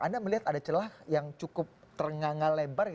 anda melihat ada celah yang cukup terengagal lebar